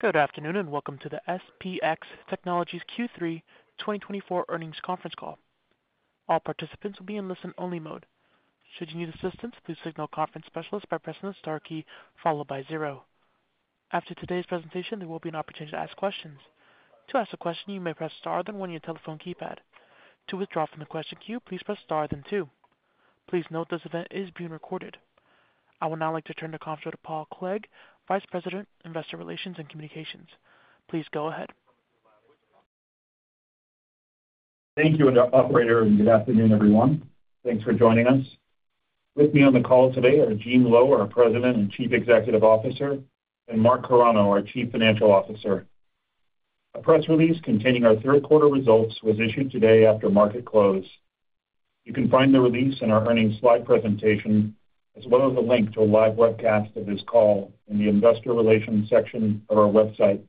Good afternoon and welcome to the SPX Technologies Q3 2024 earnings conference call. All participants will be in listen-only mode. Should you need assistance, please signal conference specialist by pressing the star key followed by zero. After today's presentation, there will be an opportunity to ask questions. To ask a question, you may press star then one on your telephone keypad. To withdraw from the question queue, please press star then two. Please note this event is being recorded. I would now like to turn the conference to Paul Clegg, Vice President, Investor Relations and Communications. Please go ahead. Thank you, Operator, and good afternoon, everyone. Thanks for joining us. With me on the call today are Gene Lowe, our President and Chief Executive Officer, and Mark Carano, our Chief Financial Officer. A press release containing our third-quarter results was issued today after market close. You can find the release in our earnings slide presentation, as well as a link to a live webcast of this call in the Investor Relations section of our website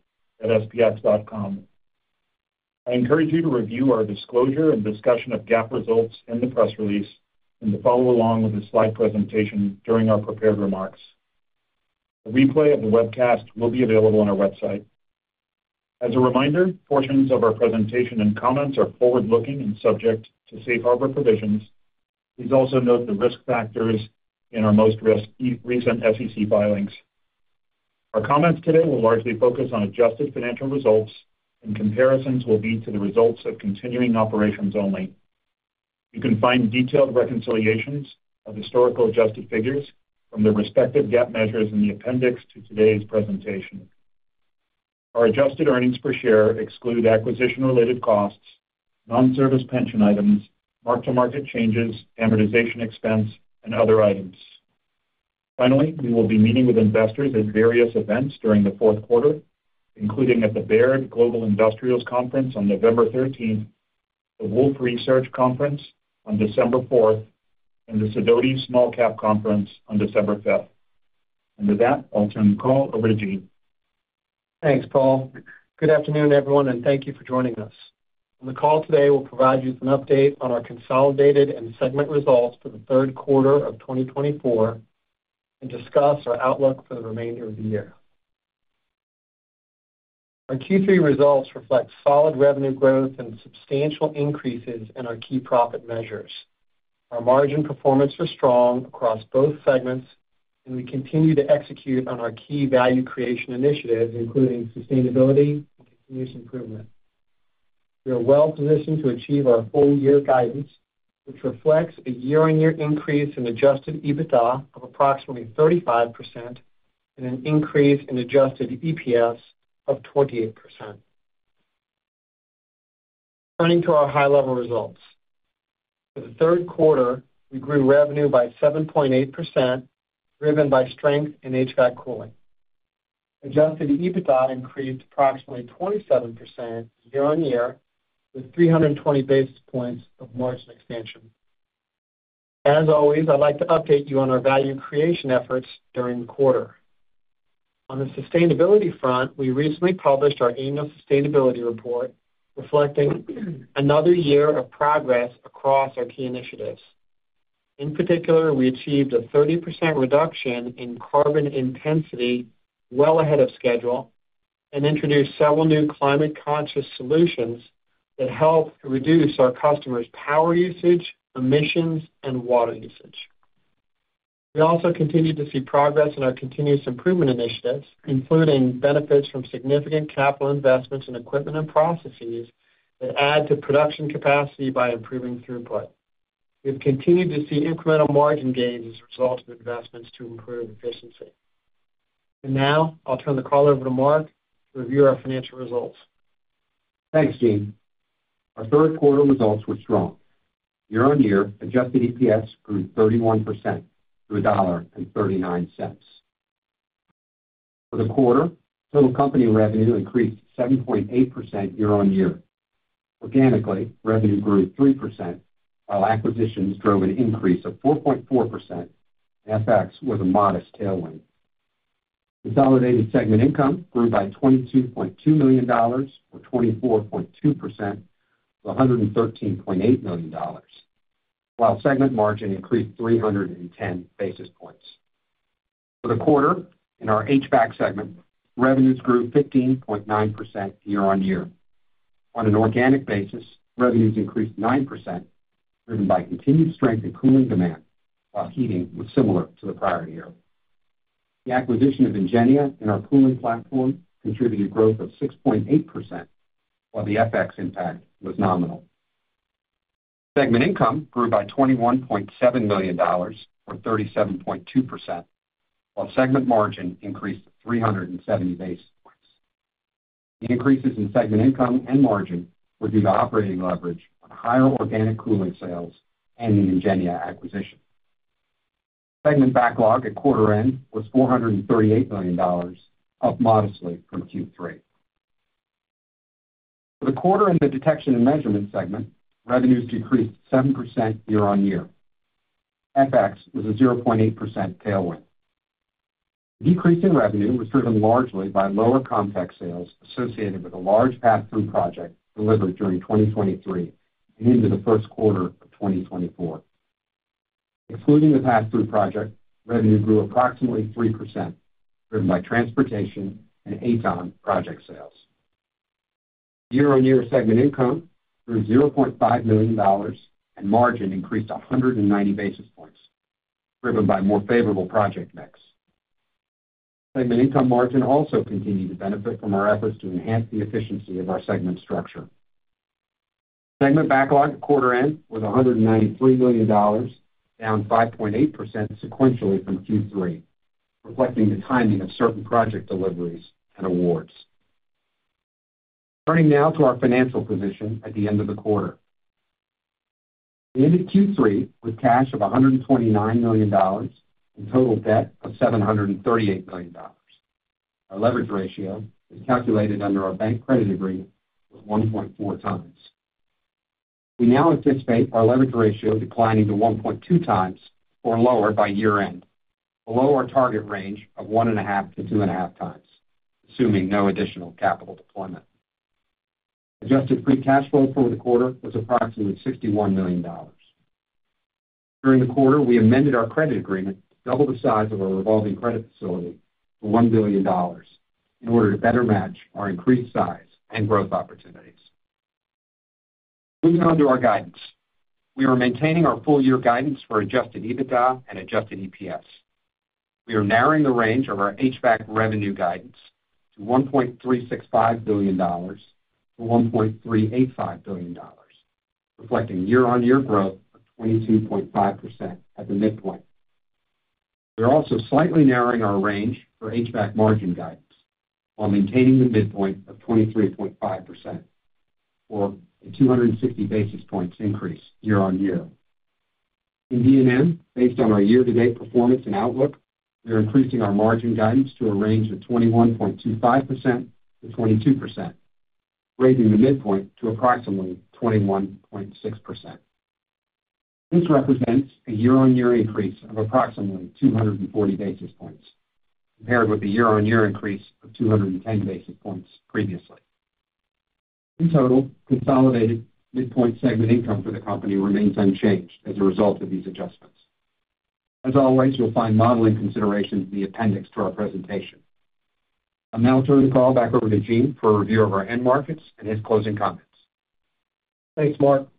at spx.com. I encourage you to review our disclosure and discussion of GAAP results in the press release and to follow along with the slide presentation during our prepared remarks. A replay of the webcast will be available on our website. As a reminder, portions of our presentation and comments are forward-looking and subject to safe harbor provisions. Please also note the risk factors in our most recent SEC filings. Our comments today will largely focus on adjusted financial results, and comparisons will be to the results of continuing operations only. You can find detailed reconciliations of historical adjusted figures from the respective GAAP measures in the appendix to today's presentation. Our adjusted earnings per share exclude acquisition-related costs, non-service pension items, mark-to-market changes, amortization expense, and other items. Finally, we will be meeting with investors at various events during the fourth quarter, including at the Baird Global Industrials Conference on November 13th, the Wolfe Research Conference on December 4th, and the Sidoti Small Cap Conference on December 5th, and with that, I'll turn the call over to Gene. Thanks, Paul. Good afternoon, everyone, and thank you for joining us. On the call today, we'll provide you with an update on our consolidated and segment results for the third quarter of 2024 and discuss our outlook for the remainder of the year. Our Q3 results reflect solid revenue growth and substantial increases in our key profit measures. Our margin performance is strong across both segments, and we continue to execute on our key value creation initiatives, including sustainability and continuous improvement. We are well positioned to achieve our full-year guidance, which reflects a year-on-year increase in adjusted EBITDA of approximately 35% and an increase in adjusted EPS of 28%. Turning to our high-level results, for the third quarter, we grew revenue by 7.8%, driven by strength in HVAC cooling. Adjusted EBITDA increased approximately 27% year-on-year, with 320 basis points of margin expansion. As always, I'd like to update you on our value creation efforts during the quarter. On the sustainability front, we recently published our annual sustainability report, reflecting another year of progress across our key initiatives. In particular, we achieved a 30% reduction in carbon intensity well ahead of schedule and introduced several new climate-conscious solutions that help reduce our customers' power usage, emissions, and water usage. We also continue to see progress in our continuous improvement initiatives, including benefits from significant capital investments in equipment and processes that add to production capacity by improving throughput. We have continued to see incremental margin gains as a result of investments to improve efficiency. And now, I'll turn the call over to Mark to review our financial results. Thanks, Gene. Our third-quarter results were strong. Year-on-year, adjusted EPS grew 31% to $1.39. For the quarter, total company revenue increased 7.8% year-on-year. Organically, revenue grew 3%, while acquisitions drove an increase of 4.4%, and FX was a modest tailwind. Consolidated segment income grew by $22.2 million, or 24.2%, to $113.8 million, while segment margin increased 310 basis points. For the quarter, in our HVAC segment, revenues grew 15.9% year-on-year. On an organic basis, revenues increased 9%, driven by continued strength in cooling demand, while heating was similar to the prior year. The acquisition of Ingenia and our cooling platform contributed growth of 6.8%, while the FX impact was nominal. Segment income grew by $21.7 million, or 37.2%, while segment margin increased 370 basis points. The increases in segment income and margin were due to operating leverage on higher organic cooling sales and the Ingenia acquisition. Segment backlog at quarter-end was $438 million, up modestly from Q3. For the quarter, in Detection and Measurement segment, revenues decreased 7% year-on-year. FX was a 0.8% tailwind. The decrease in revenue was driven largely by lower CommTech sales associated with a large pass-through project delivered during 2023 and into the first quarter of 2024. Excluding the pass-through project, revenue grew approximately 3%, driven by transportation and AtoN project sales. Year-on-year segment income grew $0.5 million, and margin increased 190 basis points, driven by more favorable project mix. Segment income margin also continued to benefit from our efforts to enhance the efficiency of our segment structure. Segment backlog at quarter-end was $193 million, down 5.8% sequentially from Q3, reflecting the timing of certain project deliveries and awards. Turning now to our financial position at the end of the quarter. We ended Q3 with cash of $129 million and total debt of $738 million. Our leverage ratio, as calculated under our bank credit agreement, was 1.4 times. We now anticipate our leverage ratio declining to 1.2 times or lower by year-end, below our target range of 1.5 to 2.5 times, assuming no additional capital deployment. Adjusted free cash flow for the quarter was approximately $61 million. During the quarter, we amended our credit agreement to double the size of our revolving credit facility to $1 billion in order to better match our increased size and growth opportunities. Moving on to our guidance. We are maintaining our full-year guidance for Adjusted EBITDA and Adjusted EPS. We are narrowing the range of our HVAC revenue guidance to $1.365 billion-$1.385 billion, reflecting year-on-year growth of 22.5% at the midpoint. We are also slightly narrowing our range for HVAC margin guidance while maintaining the midpoint of 23.5% for a 260 basis points increase year-on-year. In D&M, based on our year-to-date performance and outlook, we are increasing our margin guidance to a range of 21.25% to 22%, raising the midpoint to approximately 21.6%. This represents a year-on-year increase of approximately 240 basis points, compared with the year-on-year increase of 210 basis points previously. In total, consolidated midpoint segment income for the company remains unchanged as a result of these adjustments. As always, you'll find modeling considerations in the appendix to our presentation. I'll now turn the call back over to Gene for a review of our end markets and his closing comments. Thanks, Mark.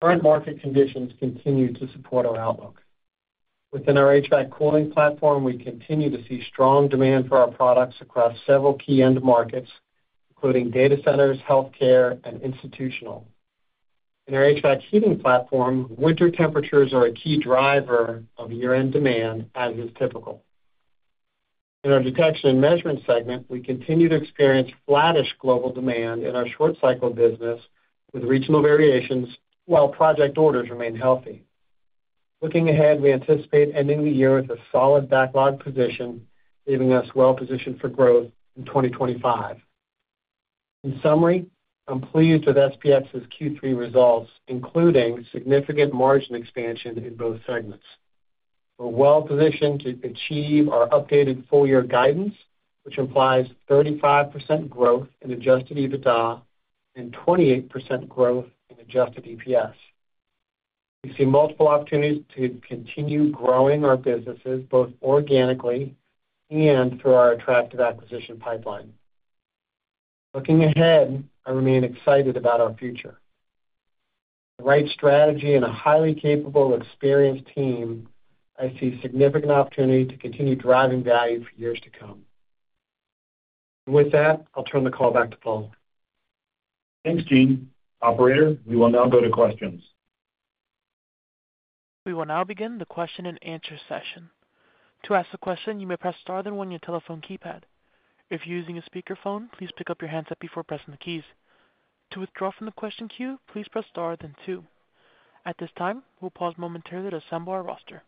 Current market conditions continue to support our outlook. Within our HVAC cooling platform, we continue to see strong demand for our products across several key end markets, including data centers, healthcare, and institutional. In our HVAC heating platform, winter temperatures are a key driver of year-end demand, as is typical. In our Detection and Measurement segment, we continue to experience flattish global demand in our short-cycle business with regional variations, while project orders remain healthy. Looking ahead, we anticipate ending the year with a solid backlog position, leaving us well positioned for growth in 2025. In summary, I'm pleased with SPX's Q3 results, including significant margin expansion in both segments. We're well positioned to achieve our updated full-year guidance, which implies 35% growth in adjusted EBITDA and 28% growth in adjusted EPS. We see multiple opportunities to continue growing our businesses both organically and through our attractive acquisition pipeline. Looking ahead, I remain excited about our future. With the right strategy and a highly capable, experienced team, I see significant opportunity to continue driving value for years to come, and with that, I'll turn the call back to Paul. Thanks, Gene. Operator, we will now go to questions. We will now begin the question-and-answer session. To ask a question, you may press star then one on your telephone keypad. If you're using a speakerphone, please pick up the handset before pressing the keys. To withdraw from the question queue, please press star then two. At this time, we'll pause momentarily to assemble our roster.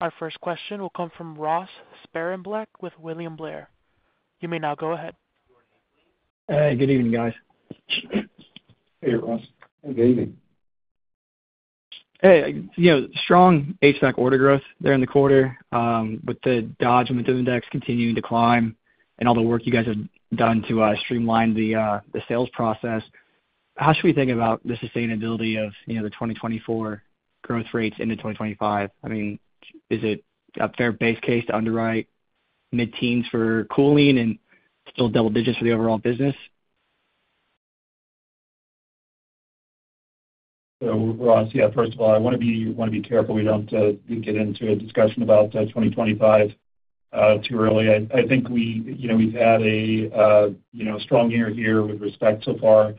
Our first question will come from Ross Sparenblek with William Blair. You may now go ahead. Good evening, guys. Hey, Ross. Hey, good evening. Hey, strong HVAC order growth there in the quarter, with the Dodge Momentum Index continuing to climb and all the work you guys have done to streamline the sales process. How should we think about the sustainability of the 2024 growth rates into 2025? I mean, is it a fair base case to underwrite mid-teens for cooling and still double digits for the overall business? So, Ross, yeah, first of all, I want to be careful we don't get into a discussion about 2025 too early. I think we've had a strong year here with respect so far,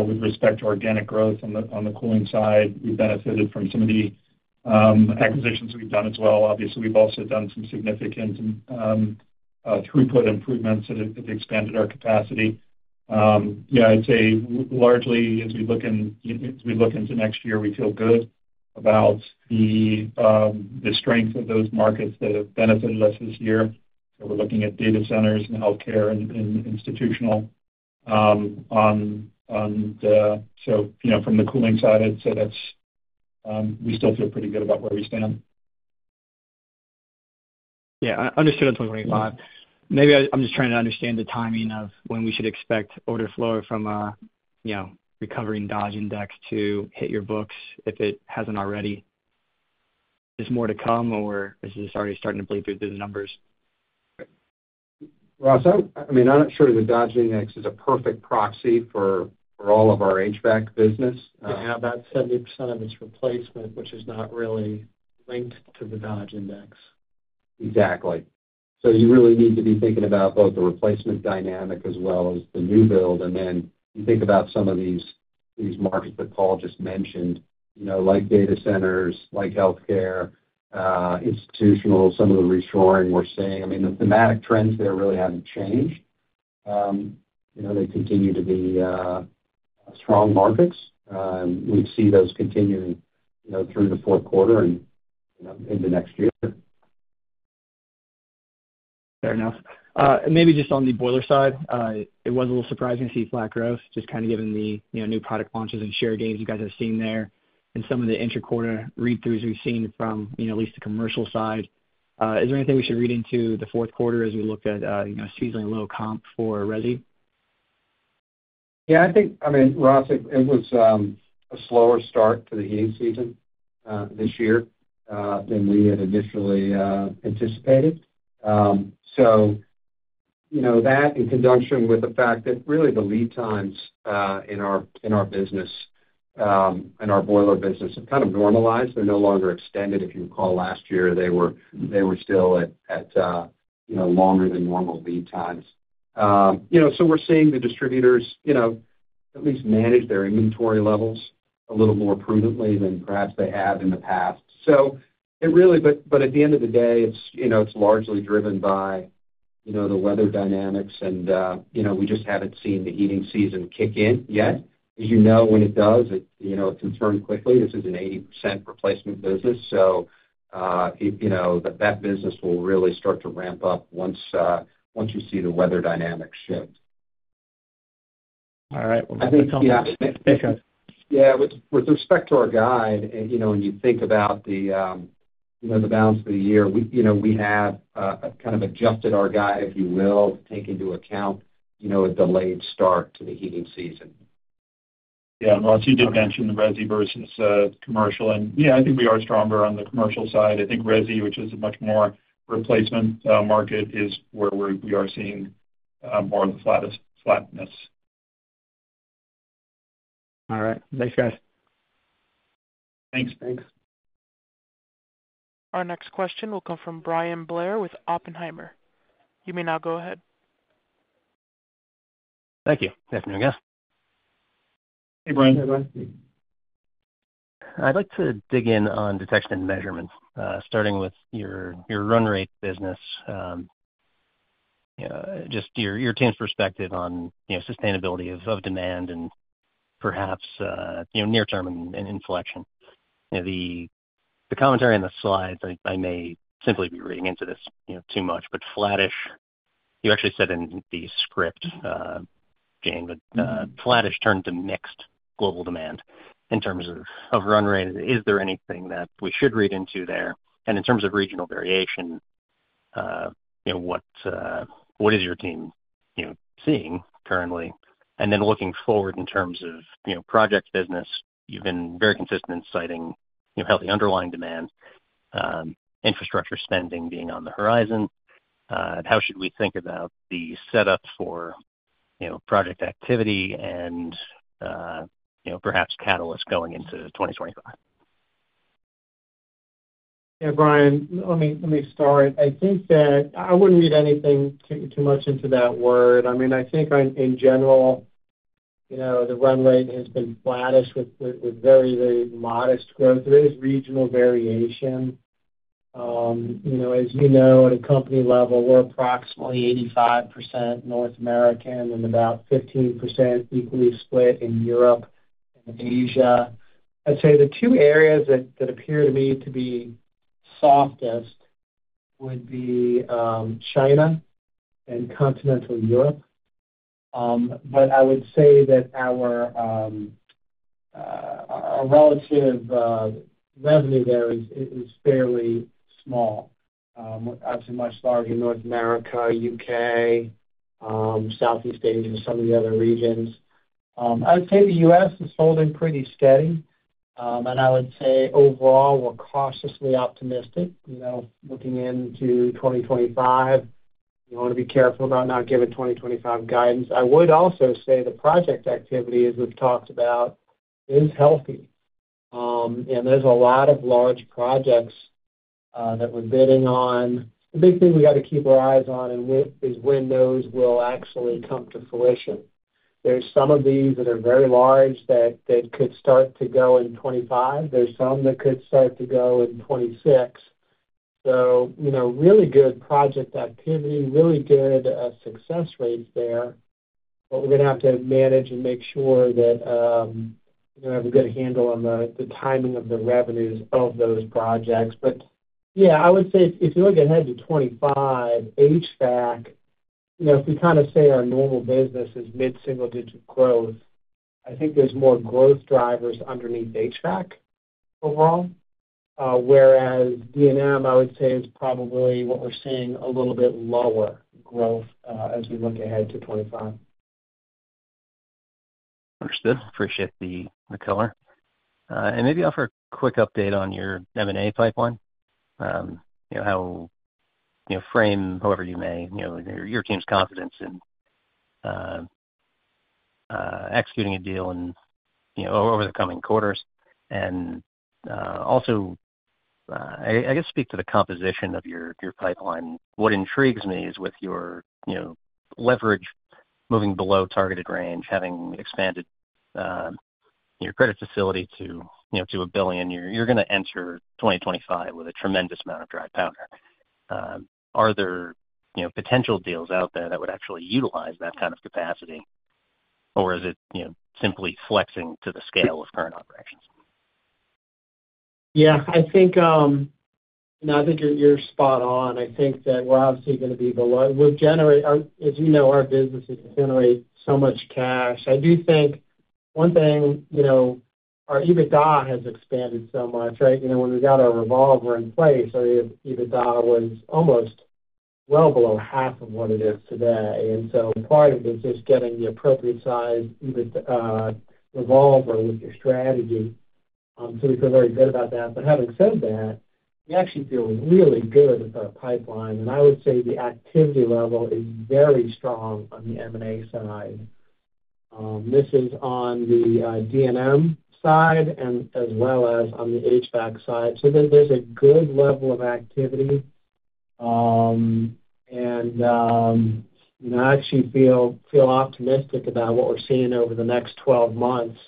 with respect to organic growth on the cooling side. We've benefited from some of the acquisitions we've done as well. Obviously, we've also done some significant throughput improvements that have expanded our capacity. Yeah, I'd say largely, as we look into next year, we feel good about the strength of those markets that have benefited us this year. So we're looking at data centers and healthcare and institutional. So from the cooling side, I'd say we still feel pretty good about where we stand. Yeah, understood on 2025. Maybe I'm just trying to understand the timing of when we should expect order flow from a recovering Dodge index to hit your books if it hasn't already. Is more to come, or is this already starting to bleed through the numbers? Ross, I mean, I'm not sure the Dodge index is a perfect proxy for all of our HVAC business. Yeah, about 70% of its replacement, which is not really linked to the Dodge index. Exactly. So you really need to be thinking about both the replacement dynamic as well as the new build. And then you think about some of these markets that Paul just mentioned, like data centers, like healthcare, institutional, some of the reshoring we're seeing. I mean, the thematic trends there really haven't changed. They continue to be strong markets. We'd see those continuing through the fourth quarter and into next year. Fair enough, and maybe just on the boiler side, it was a little surprising to see flat growth, just kind of given the new product launches and share gains you guys have seen there and some of the interquarter read-throughs we've seen from at least the commercial side. Is there anything we should read into the fourth quarter as we look at seasonally low comp for resi? Yeah, I think, I mean, Ross, it was a slower start to the heating season this year than we had initially anticipated. So that in conjunction with the fact that really the lead times in our business, in our boiler business, have kind of normalized. They're no longer extended. If you recall, last year, they were still at longer than normal lead times. So we're seeing the distributors at least manage their inventory levels a little more prudently than perhaps they have in the past. But at the end of the day, it's largely driven by the weather dynamics, and we just haven't seen the heating season kick in yet. As you know, when it does, it can turn quickly. This is an 80% replacement business, so that business will really start to ramp up once you see the weather dynamics shift. All right. I think. Yeah. Yeah, with respect to our guide, when you think about the balance of the year, we have kind of adjusted our guide, if you will, to take into account a delayed start to the heating season. Yeah, Ross, you did mention the resi versus commercial. And yeah, I think we are stronger on the commercial side. I think resi, which is a much more replacement market, is where we are seeing more of the flatness. All right. Thanks, guys. Thanks. Thanks. Our next question will come from Bryan Blair with Oppenheimer. You may now go ahead. Thank you. Good afternoon, guys. Hey, Bryan. Hey, Bryan. I'd like to dig in on Detection and Measurements, starting with your run rate business, just your team's perspective on sustainability of demand and perhaps near-term inflection. The commentary on the slides, I may simply be reading into this too much, but flattish, you actually said in the script, Gene, flattish turned to mixed global demand in terms of run rate. Is there anything that we should read into there? And in terms of regional variation, what is your team seeing currently? And then looking forward in terms of project business, you've been very consistent in citing healthy underlying demand, infrastructure spending being on the horizon. How should we think about the setup for project activity and perhaps catalysts going into 2025? Yeah, Bryan, let me start. I think that I wouldn't read anything too much into that word. I mean, I think in general, the run rate has been flattish with very, very modest growth. There is regional variation. As you know, at a company level, we're approximately 85% North American and about 15% equally split in Europe and Asia. I'd say the two areas that appear to me to be softest would be China and continental Europe, but I would say that our relative revenue there is fairly small. Obviously, much larger North America, U.K., Southeast Asia, some of the other regions. I would say the U.S. is holding pretty steady, and I would say overall, we're cautiously optimistic. Looking into 2025, we want to be careful about not giving 2025 guidance. I would also say the project activity, as we've talked about, is healthy. There's a lot of large projects that we're bidding on. The big thing we got to keep our eyes on is when those will actually come to fruition. There's some of these that are very large that could start to go in 2025. There's some that could start to go in 2026. Really good project activity, really good success rates there. But we're going to have to manage and make sure that we have a good handle on the timing of the revenues of those projects. But yeah, I would say if you look ahead to 2025, HVAC, if we kind of say our normal business is mid-single-digit growth, I think there's more growth drivers underneath HVAC overall. Whereas D&M, I would say is probably what we're seeing a little bit lower growth as we look ahead to 2025. Understood. Appreciate the color. And maybe offer a quick update on your M&A pipeline, how framed however you may your team's confidence in executing a deal over the coming quarters. And also, I guess, speak to the composition of your pipeline. What intrigues me is with your leverage moving below targeted range, having expanded your credit facility to $1 billion. You're going to enter 2025 with a tremendous amount of dry powder. Are there potential deals out there that would actually utilize that kind of capacity, or is it simply flexing to the scale of current operations? Yeah, I think you're spot on. I think that we're obviously going to be below. As you know, our businesses generate so much cash. I do think one thing, our EBITDA has expanded so much, right? When we got our revolver in place, our EBITDA was almost well below half of what it is today. And so part of it is just getting the appropriate size EBIT revolver with your strategy. So we feel very good about that. But having said that, we actually feel really good with our pipeline. And I would say the activity level is very strong on the M&A side. This is on the D&M side and as well as on the HVAC side. So there's a good level of activity. And I actually feel optimistic about what we're seeing over the next 12 months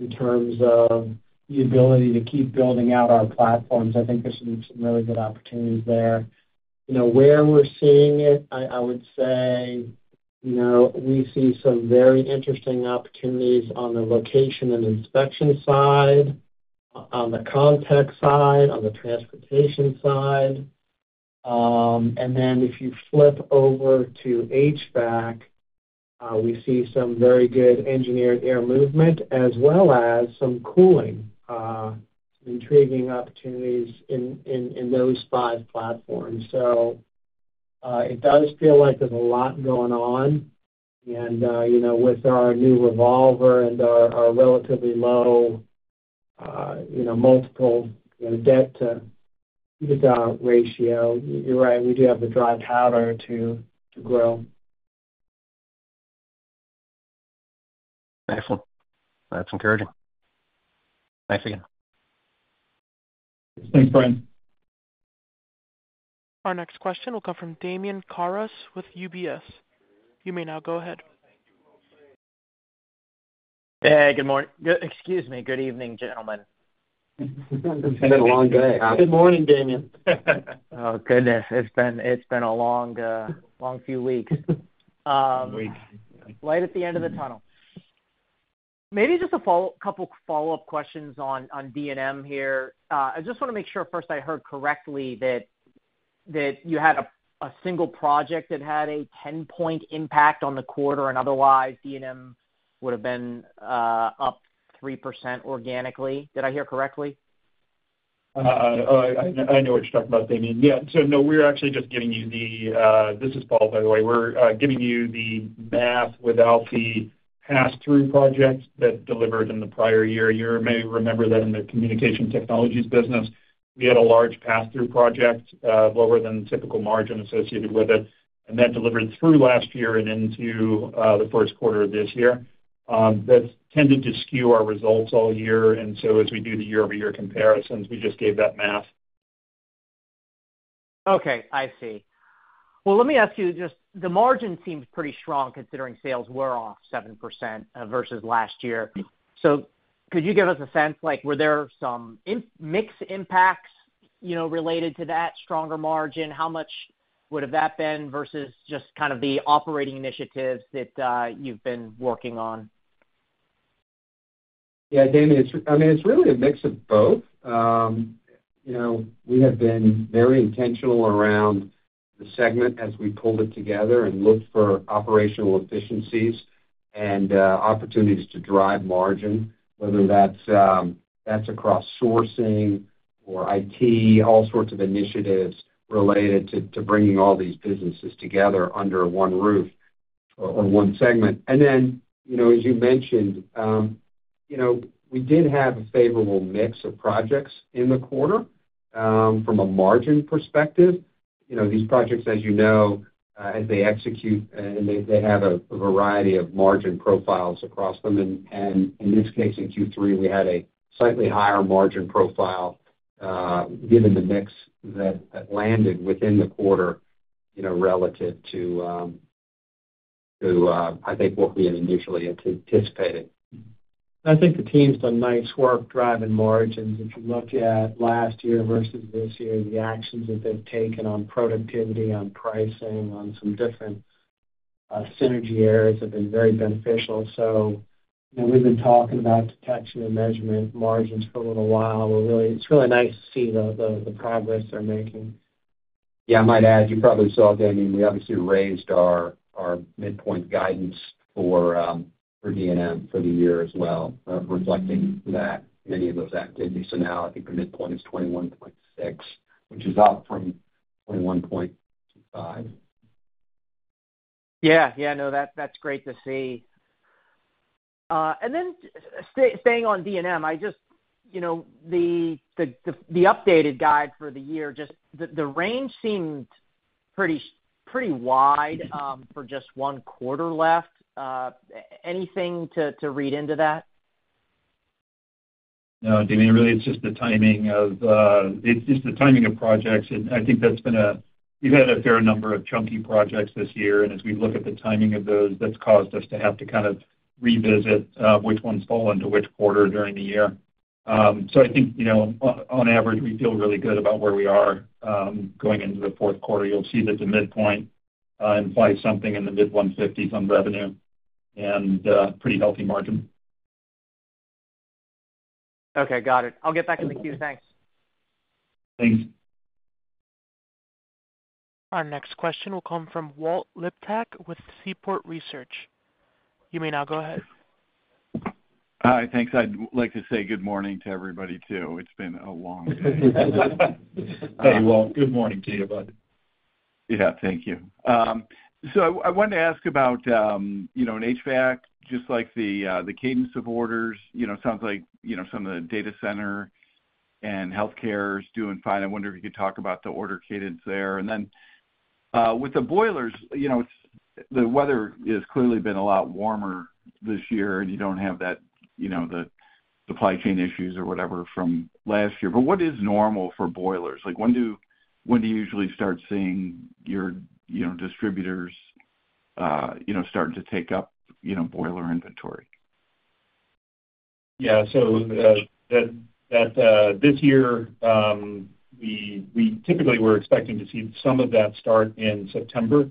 in terms of the ability to keep building out our platforms. I think there's some really good opportunities there. Where we're seeing it, I would say we see some very interesting opportunities on the location and inspection side, on the CommTech side, on the transportation side, and then if you flip over to HVAC, we see some very good engineered air movement as well as some cooling, some intriguing opportunities in those five platforms, so it does feel like there's a lot going on, and with our new revolver and our relatively low multiple debt to EBITDA ratio, you're right, we do have the dry powder to grow. Excellent. That's encouraging. Thanks again. Thanks, Bryan. Our next question will come from Damian Karas with UBS. You may now go ahead. Hey, good morning. Excuse me. Good evening, gentlemen. It's been a long day. Good morning, Damian. Oh, goodness. It's been a long few weeks. Few weeks. Right at the end of the tunnel. Maybe just a couple of follow-up questions on D&M here. I just want to make sure first I heard correctly that you had a single project that had a 10-point impact on the quarter, and otherwise D&M would have been up 3% organically. Did I hear correctly? Oh, I know what you're talking about, Damian. Yeah. So no, we're actually just giving you the—this is Paul, by the way. We're giving you the math without the pass-through projects that delivered in the prior year. You may remember that in the communication technologies business, we had a large pass-through project lower than the typical margin associated with it, and that delivered through last year and into the first quarter of this year. That's tended to skew our results all year, and so as we do the year-over-year comparisons, we just gave that math. Okay. I see. Well, let me ask you this. The margin seems pretty strong considering sales were off 7% versus last year. So could you give us a sense? Were there some mixed impacts related to that stronger margin? How much would have that been versus just kind of the operating initiatives that you've been working on? Yeah, Damian, I mean, it's really a mix of both. We have been very intentional around the segment as we pulled it together and looked for operational efficiencies and opportunities to drive margin, whether that's across sourcing or IT, all sorts of initiatives related to bringing all these businesses together under one roof or one segment. And then, as you mentioned, we did have a favorable mix of projects in the quarter from a margin perspective. These projects, as you know, as they execute, they have a variety of margin profiles across them. And in this case, in Q3, we had a slightly higher margin profile given the mix that landed within the quarter relative to, I think, what we had initially anticipated. I think the team's done nice work driving margins. If you look at last year versus this year, the actions that they've taken on productivity, on pricing, on some different synergy areas have been very beneficial. So we've been talking about Detection and Measurement margins for a little while. It's really nice to see the progress they're making. Yeah, I might add, you probably saw, Damian, we obviously raised our midpoint guidance for D&M for the year as well, reflecting that in any of those activities. So now, I think the midpoint is 21.6, which is up from 21.5. Yeah. Yeah. No, that's great to see. And then staying on D&M, the updated guide for the year, just the range seemed pretty wide for just one quarter left. Anything to read into that? No, Damian, really, it's just the timing of, it's just the timing of projects. And I think that's been a, we've had a fair number of chunky projects this year. And as we look at the timing of those, that's caused us to have to kind of revisit which ones fall into which quarter during the year. So I think, on average, we feel really good about where we are going into the fourth quarter. You'll see that the midpoint implies something in the mid-150s on revenue and pretty healthy margin. Okay. Got it. I'll get back in the queue. Thanks. Thanks. Our next question will come from Walt Liptak with Seaport Research. You may now go ahead. Hi. Thanks. I'd like to say good morning to everybody too. It's been a long day. Hey, Walt? Good morning to you, bud. Yeah. Thank you. So I wanted to ask about an HVAC, just like the cadence of orders. Sounds like some of the data center and healthcare is doing fine. I wonder if you could talk about the order cadence there. And then with the boilers, the weather has clearly been a lot warmer this year, and you don't have the supply chain issues or whatever from last year. But what is normal for boilers? When do you usually start seeing your distributors starting to take up boiler inventory? Yeah. So this year, we typically were expecting to see some of that start in September.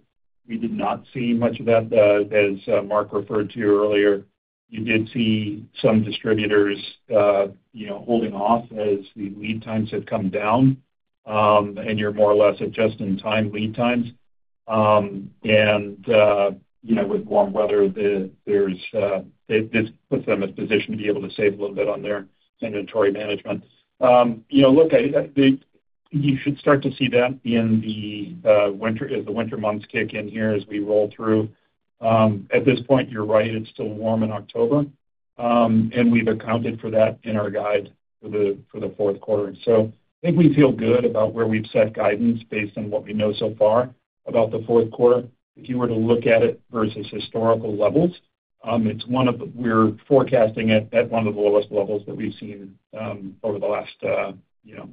We did not see much of that, as Mark referred to earlier. You did see some distributors holding off as the lead times have come down, and you're more or less at just-in-time lead times. And with warm weather, this puts them in a position to be able to save a little bit on their inventory management. Look, you should start to see that as the winter months kick in here as we roll through. At this point, you're right, it's still warm in October. And we've accounted for that in our guide for the fourth quarter. So I think we feel good about where we've set guidance based on what we know so far about the fourth quarter. If you were to look at it versus historical levels, it's one of, we're forecasting at one of the lowest levels that we've seen over the last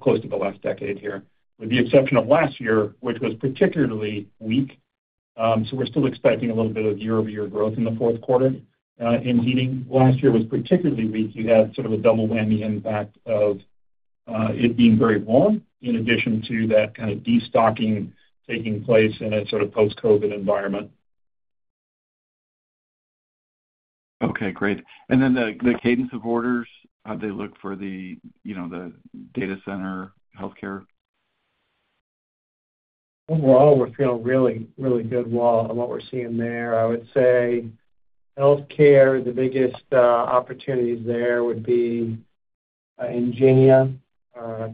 close to the last decade here, with the exception of last year, which was particularly weak. So we're still expecting a little bit of year-over-year growth in the fourth quarter in heating. Last year was particularly weak. You had sort of a double whammy impact of it being very warm in addition to that kind of destocking taking place in a sort of post-COVID environment. Okay. Great. And then the cadence of orders, how'd they look for the data center, healthcare? Overall, we're feeling really, really good with what we're seeing there. I would say healthcare, the biggest opportunities there would be Ingenia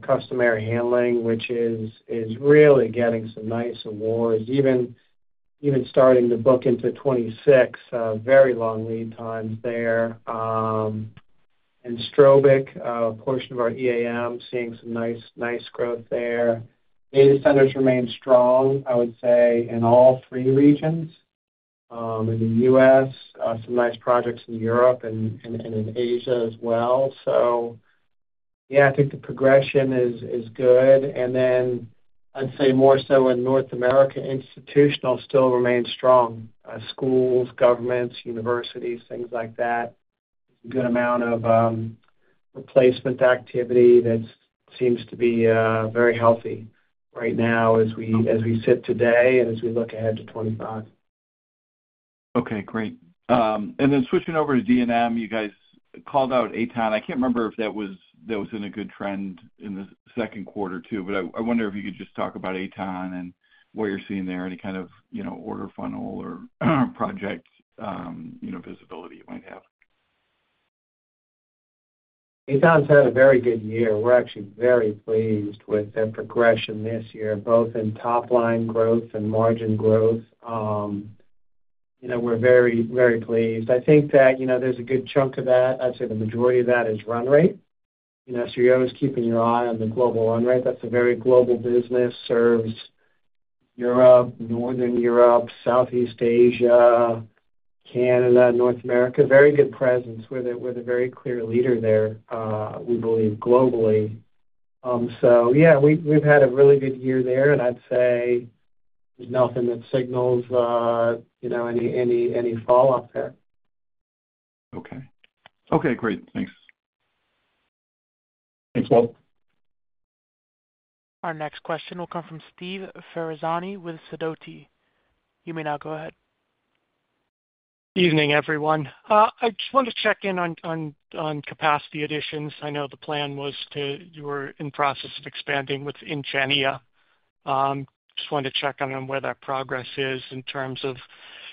custom air handling, which is really getting some nice awards, even starting to book into 2026, very long lead times there. And Strobic, a portion of our EAM, seeing some nice growth there. Data centers remain strong, I would say, in all three regions in the U.S., some nice projects in Europe and in Asia as well. So yeah, I think the progression is good. And then I'd say more so in North America, institutional still remains strong. Schools, governments, universities, things like that, a good amount of replacement activity that seems to be very healthy right now as we sit today and as we look ahead to 2025. Okay. Great. And then switching over to D&M, you guys called out AtoN. I can't remember if that was in a good trend in the second quarter too, but I wonder if you could just talk about AtoN and what you're seeing there, any kind of order funnel or project visibility you might have? AtoN's had a very good year. We're actually very pleased with their progression this year, both in top-line growth and margin growth. We're very, very pleased. I think that there's a good chunk of that. I'd say the majority of that is run rate. So you're always keeping your eye on the global run rate. That's a very global business, serves Europe, Northern Europe, Southeast Asia, Canada, North America. Very good presence with it, with a very clear leader there, we believe, globally. So yeah, we've had a really good year there, and I'd say there's nothing that signals any fallout there. Okay. Okay. Great. Thanks. Thanks, Walt. Our next question will come from Steve Ferazani with Sidoti. You may now go ahead. Evening, everyone. I just wanted to check in on capacity additions. I know the plan was to, you were in the process of expanding with Ingenia. Just wanted to check on where that progress is in terms of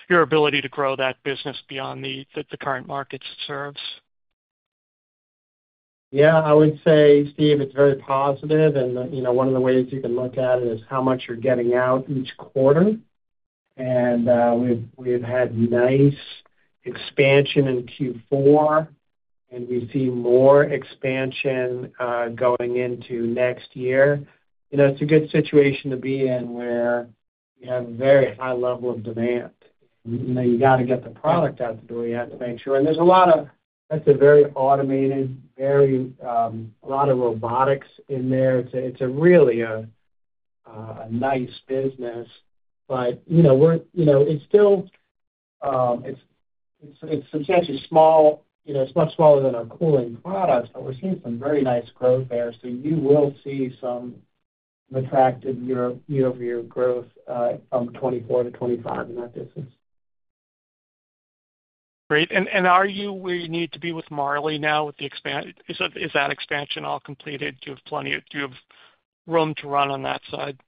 your ability to grow that business beyond the current markets it serves. Yeah. I would say, Steve, it's very positive. And one of the ways you can look at it is how much you're getting out each quarter. And we've had nice expansion in Q4, and we see more expansion going into next year. It's a good situation to be in where you have a very high level of demand. You got to get the product out the door. You have to make sure. And there's a lot of, that's a very automated, very, a lot of robotics in there. It's really a nice business, but it's still, it's substantially small. It's much smaller than our cooling products, but we're seeing some very nice growth there. So you will see some attractive year-over-year growth from 2024 to 2025 in that business. Great. Are you where you need to be with Marley now with the expansion? Is that expansion all completed? Do you have plenty of room to run on that side?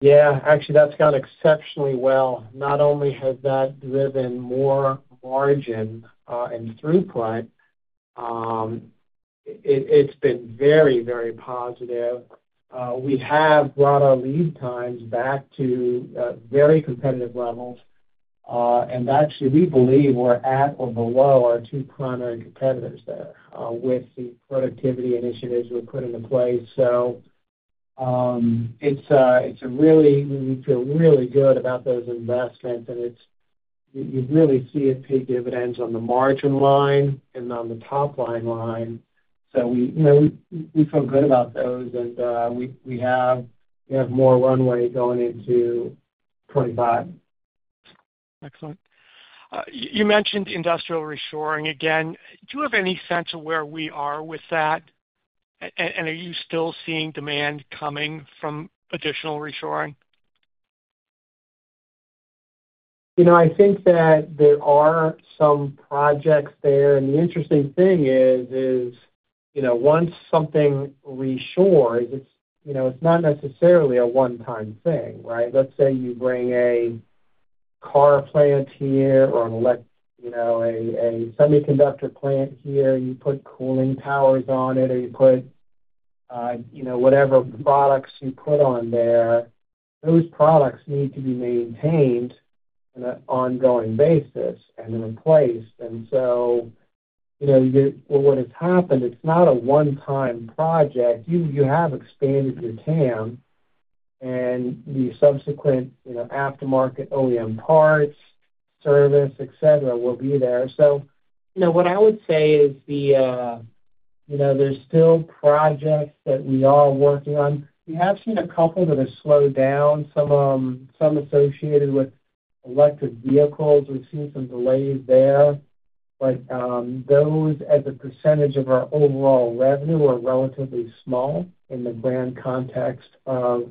Yeah. Actually, that's gone exceptionally well. Not only has that driven more margin and throughput, it's been very, very positive. We have brought our lead times back to very competitive levels. And actually, we believe we're at or below our two primary competitors there with the productivity initiatives we've put into place. So it's a really, we feel really good about those investments. And you really see it pay dividends on the margin line and on the top-line line. So we feel good about those. And we have more runway going into 2025. Excellent. You mentioned industrial reshoring. Again, do you have any sense of where we are with that? And are you still seeing demand coming from additional reshoring? I think that there are some projects there. And the interesting thing is, once something reshores, it's not necessarily a one-time thing, right? Let's say you bring a car plant here or a semiconductor plant here, and you put cooling towers on it, or you put whatever products you put on there. Those products need to be maintained on an ongoing basis and replaced. And so what has happened, it's not a one-time project. You have expanded your TAM, and the subsequent aftermarket OEM parts, service, etc., will be there. So what I would say is there's still projects that we are working on. We have seen a couple that have slowed down, some associated with electric vehicles. We've seen some delays there. But those, as a percentage of our overall revenue, are relatively small in the grand context of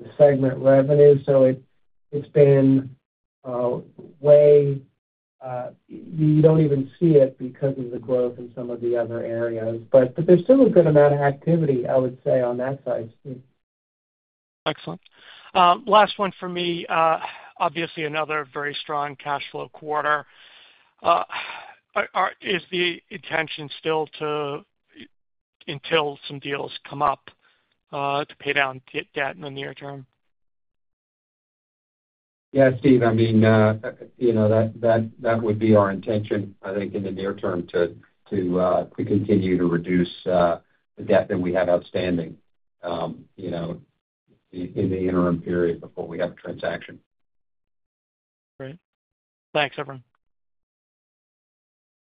the segment revenue. So it's been way, you don't even see it because of the growth in some of the other areas. But there's still a good amount of activity, I would say, on that side, Steve. Excellent. Last one for me. Obviously, another very strong cash flow quarter. Is the intention still to, until some deals come up, to pay down debt in the near term? Yeah, Steve. I mean, that would be our intention, I think, in the near term to continue to reduce the debt that we have outstanding in the interim period before we have a transaction. Great. Thanks, everyone.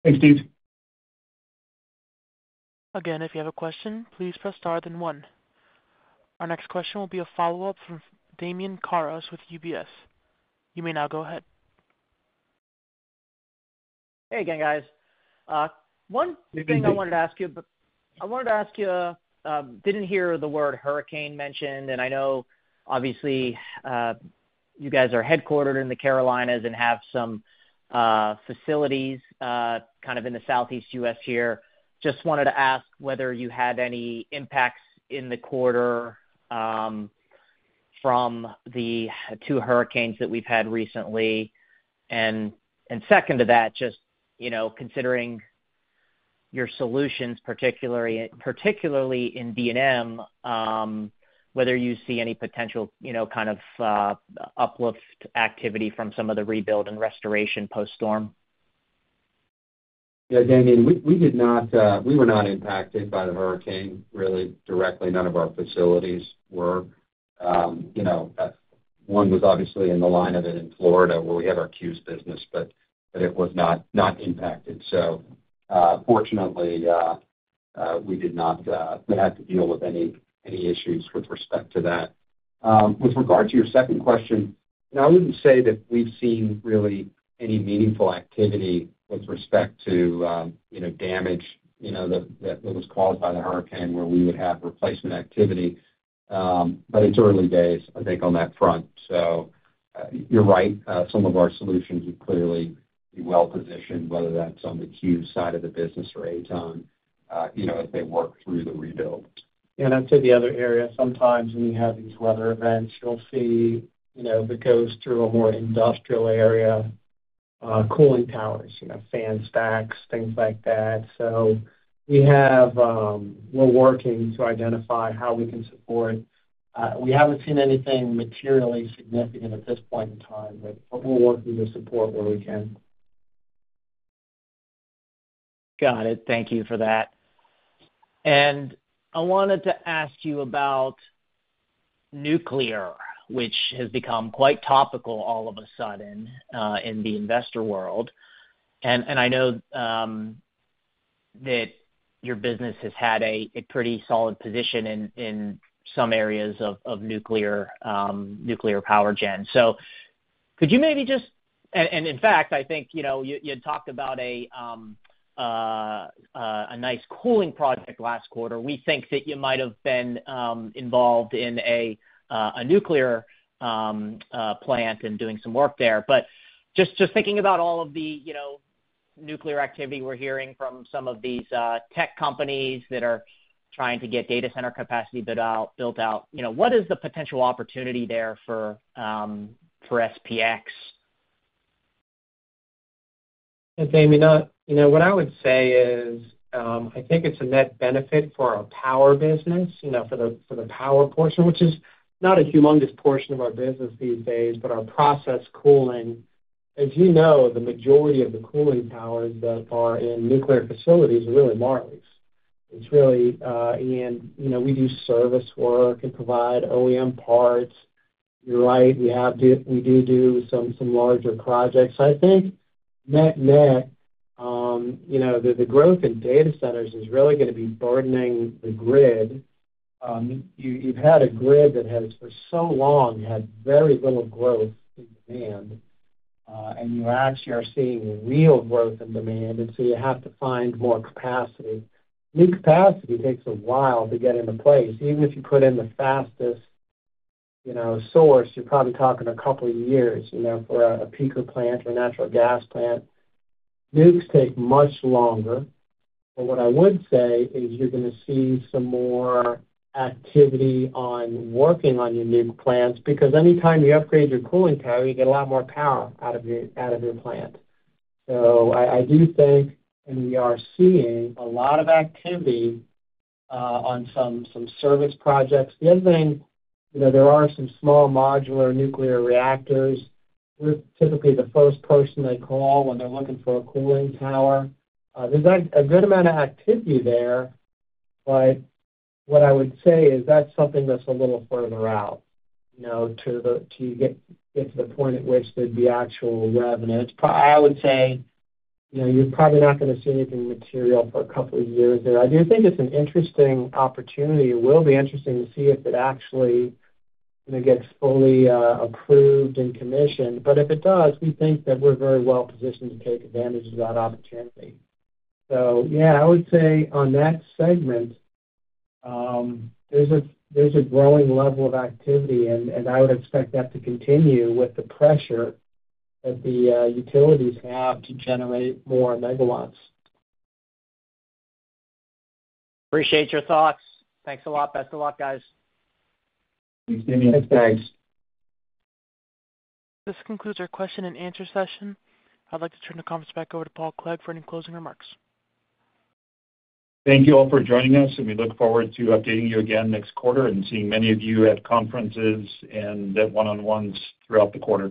Thanks, Steve. Again, if you have a question, please press star then one. Our next question will be a follow-up from Damian Karas with UBS. You may now go ahead. Hey, again, guys. One thing I wanted to ask you, but I wanted to ask you. Didn't hear the word hurricane mentioned. And I know, obviously, you guys are headquartered in the Carolinas and have some facilities kind of in the Southeast U.S. here. Just wanted to ask whether you had any impacts in the quarter from the two hurricanes that we've had recently. And second to that, just considering your solutions, particularly in D&M, whether you see any potential kind of uplift activity from some of the rebuild and restoration post-storm. Yeah, Damian, we were not impacted by the hurricane really directly. None of our facilities were. One was obviously in the line of it in Florida where we have our CUES business, but it was not impacted. So fortunately, we did not have to deal with any issues with respect to that. With regard to your second question, I wouldn't say that we've seen really any meaningful activity with respect to damage that was caused by the hurricane where we would have replacement activity. But it's early days, I think, on that front. So you're right. Some of our solutions would clearly be well-positioned, whether that's on the CUES side of the business or AtoN, as they work through the rebuild. And I'd say the other area, sometimes when you have these weather events, you'll see that goes through a more industrial area, cooling towers, fan stacks, things like that. So we're working to identify how we can support. We haven't seen anything materially significant at this point in time, but we're working to support where we can. Got it. Thank you for that, and I wanted to ask you about nuclear, which has become quite topical all of a sudden in the investor world, and I know that your business has had a pretty solid position in some areas of nuclear power gen, so could you maybe just, and in fact, I think you had talked about a nice cooling project last quarter. We think that you might have been involved in a nuclear plant and doing some work there, but just thinking about all of the nuclear activity we're hearing from some of these tech companies that are trying to get data center capacity built out, what is the potential opportunity there for SPX? Damian, what I would say is I think it's a net benefit for our power business, for the power portion, which is not a humongous portion of our business these days. Our process cooling, as you know, the majority of the cooling towers that are in nuclear facilities are really Marley's. We do service work and provide OEM parts. You're right. We do do some larger projects. I think net net, the growth in data centers is really going to be burdening the grid. You've had a grid that has for so long had very little growth in demand. You actually are seeing real growth in demand. You have to find more capacity. New capacity takes a while to get into place. Even if you put in the fastest source, you're probably talking a couple of years for a peaker plant or a natural gas plant. Nukes take much longer. But what I would say is you're going to see some more activity on working on your nuke plants because anytime you upgrade your cooling tower, you get a lot more power out of your plant. So I do think, and we are seeing a lot of activity on some service projects. The other thing, there are some small modular nuclear reactors. We're typically the first person they call when they're looking for a cooling tower. There's a good amount of activity there. But what I would say is that's something that's a little further out to get to the point at which there'd be actual revenue. I would say you're probably not going to see anything material for a couple of years there. I do think it's an interesting opportunity. It will be interesting to see if it actually gets fully approved and commissioned. But if it does, we think that we're very well positioned to take advantage of that opportunity. So yeah, I would say on that segment, there's a growing level of activity. And I would expect that to continue with the pressure that the utilities have to generate more megawatts. Appreciate your thoughts. Thanks a lot. Best of luck, guys. Thanks, Damian. Thanks. This concludes our question and answer session. I'd like to turn the conference back over to Paul Clegg for any closing remarks. Thank you all for joining us. And we look forward to updating you again next quarter and seeing many of you at conferences and at one-on-ones throughout the quarter.